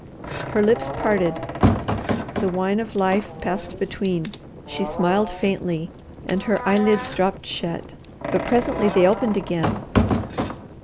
Her lips parted, the wine of life passed between. She smiled faintly, and her eyelids dropped shut, but presently they opened again.